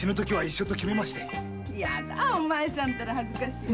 嫌だお前さんたら恥ずかしい。